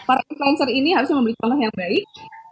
para influencer ini harus membeli konten yang baik